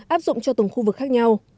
áp dụng cho từng khu vực khác nhau